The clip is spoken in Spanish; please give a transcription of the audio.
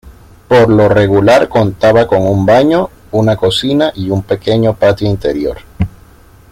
Por lo regular contaba con un baño, una cocina y un pequeño patio interior.